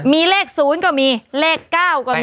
มีเลข๐ก็มีเลข๙ก็มี